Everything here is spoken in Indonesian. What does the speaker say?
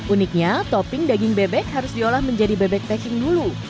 uniknya topping daging bebek harus diolah menjadi bebek teking dulu